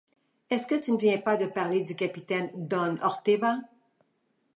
Est-ce que tu ne viens pas de parler du capitaine don Orteva ?